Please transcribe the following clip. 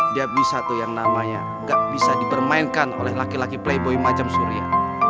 dia bisa tuh yang namanya gak bisa dipermainkan oleh laki laki playboi macam surya